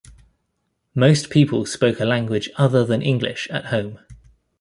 Most people spoke a language other than English at home.